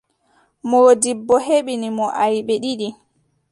Moodibbo heɓini mo aybe ɗiɗi.